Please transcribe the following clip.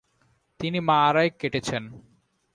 তিনি মা’আরায় কেটেছেন।